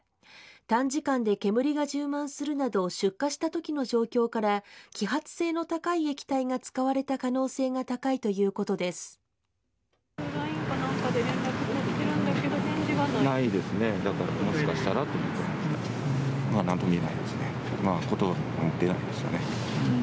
短時間で煙が充満するなど出火したときの状況から揮発性の高い液体が使われた可能性が高いということです。